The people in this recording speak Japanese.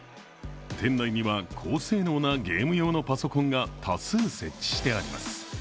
店内には高性能なゲーム用のパソコンが多数設置してあります。